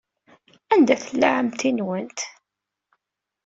Anida tella ɛemmti-nwent?